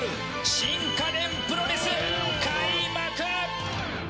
新家電プロレス、開幕！